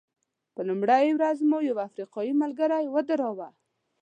په لومړۍ ورځ مو یو افریقایي ملګری ودراوه.